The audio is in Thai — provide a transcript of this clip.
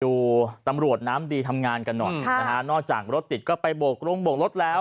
ดูตำรวจน้ำดีทำงานกันหน่อยนะฮะนอกจากรถติดก็ไปโบกโรงโบกรถแล้ว